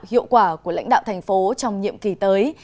hiệu quả của lãnh đạo thành phố trong nhiệm kỳ tới